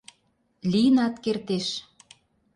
Лийынат кертеш.